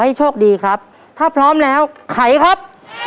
โชคดีครับถ้าพร้อมแล้วไขครับ